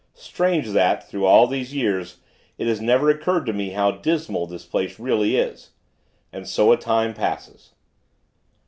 Strange, that, through all these years, it has never occurred to me how dismal the place really is. And so a time passes.